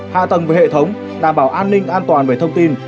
hạ tầng với hệ thống đảm bảo an ninh an toàn về thông tin